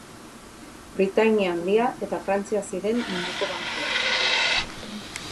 Britainia Handia eta Frantzia ziren munduko bankuak.